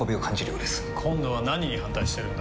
今度は何に反対してるんだ？